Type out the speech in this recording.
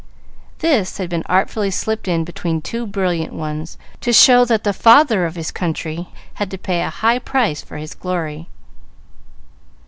This had been artfully slipped in between two brilliant ones, to show that the Father of his Country had to pay a high price for his glory.